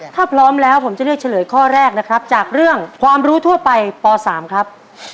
ถ้าพร้อมแล้วผมจะเลือกเฉลยข้อแรกนะครับจากเรื่องความรู้ทั่วไปป๓ครับ